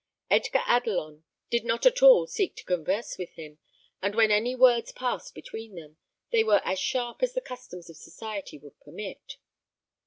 Edgar Adelon did not at all seek to converse with him; and when any words passed between them, they were as sharp as the customs of society would permit.